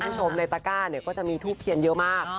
คุณผู้ชมในตะก้าจะมีทูบเทียนเยอะมาก